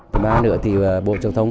thứ ba nữa thì bộ trung thông